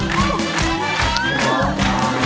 มูลค่า๑๐๐๐๐บาท